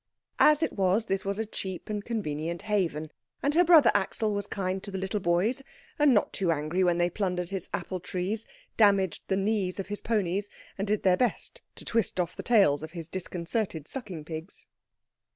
As it was, this was a cheap and convenient haven, and her brother Axel was kind to the little boys, and not too angry when they plundered his apple trees, damaged the knees of his ponies, and did their best to twist off the tails of his disconcerted sucking pigs.